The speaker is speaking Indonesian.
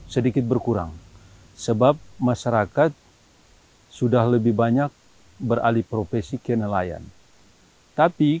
sedikit berkurang sebab masyarakat sudah lebih banyak beralih profesi ke nelayan tapi